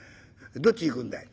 どっち行くんだい？」。